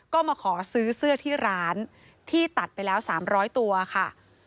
ก็มาขอซื้อเสื้อที่ร้านที่ตัดไปแล้ว๓๐๐ตัวค่ะ